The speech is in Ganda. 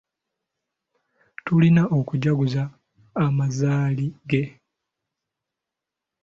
Tulina okujaguza amazaali ge.